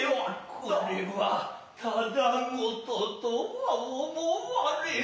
これはただ事とは思はれぬ。